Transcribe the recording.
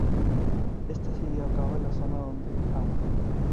Esta se lleva a cabo en la zona donde "Av.